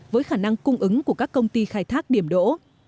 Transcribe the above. với khả năng cung ứng của các công ty khai thác điểm đỗ